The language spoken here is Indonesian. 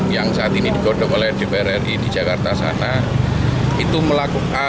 yang saat ini digodok oleh dpr ri di jakarta sana itu melakukan